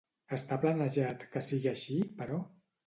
Està planejat que sigui així, però?